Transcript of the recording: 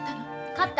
勝った。